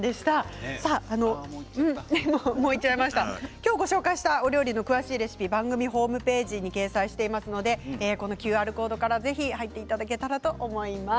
今日ご紹介したお料理の詳しいレシピ番組ホームページに掲載していますのでＱＲコードからぜひ入っていただけたらと思います。